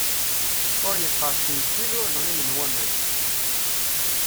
Ur yeqqers uyeddid ur nɣilen waman.